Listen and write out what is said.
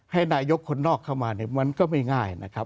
ให้นายกคนนอกเข้ามาเนี่ยมันก็ไม่ง่ายนะครับ